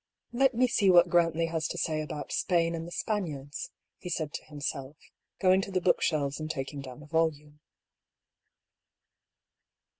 " Let me see what Grantley has to say about Spain and the Spaniards," he said to himself, going to the book shelves and taking down a volume.